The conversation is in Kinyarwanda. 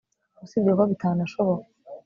usibye ko bitanashoboka